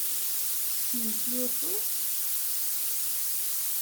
Kemm n Kyoto?